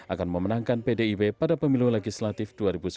akan memenangkan pdip pada pemilu legislatif dua ribu sembilan belas